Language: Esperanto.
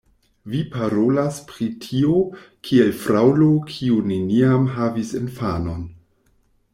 Vi parolas pri tio, kiel fraŭlo kiu neniam havis infanon.